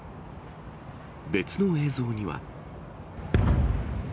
別の映像には。